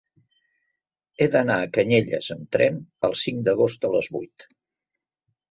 He d'anar a Canyelles amb tren el cinc d'agost a les vuit.